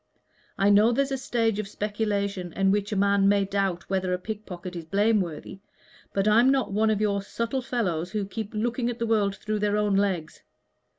I know there's a stage of speculation in which a man may doubt whether a pickpocket is blameworthy but I'm not one of your subtle fellows who keep looking at the world through their own legs.